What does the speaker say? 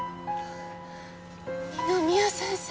二宮先生。